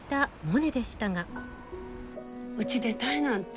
うち出たいなんて。